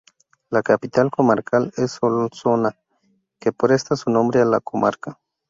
La capital comarcal es Solsona, que presta su nombre a la comarca.